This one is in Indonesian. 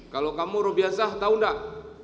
kalau kamu roh biasa tahu enggak